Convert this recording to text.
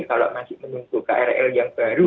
kalau masih menunggu krl yang baru